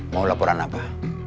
mau laporan apa